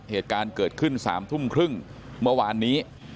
เหตุการณ์เกิดขึ้น๓ทุ่มครึ่งเมื่อวานนี้